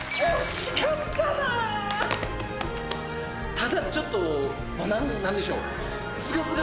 ただちょっと何でしょう。